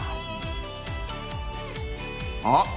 あっ。